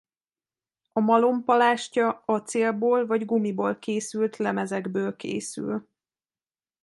A malom palástja acélból vagy gumiból készült lemezekből készül.